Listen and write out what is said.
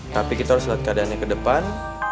tapi kita harus lihat keadaannya ke depan